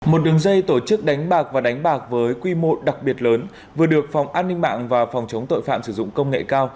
một đường dây tổ chức đánh bạc và đánh bạc với quy mô đặc biệt lớn vừa được phòng an ninh mạng và phòng chống tội phạm sử dụng công nghệ cao